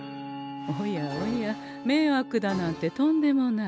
おやおやめいわくだなんてとんでもない。